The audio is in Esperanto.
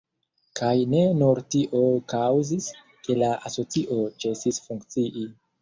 Kaj ne nur tio kaŭzis, ke la asocio ĉesis funkcii.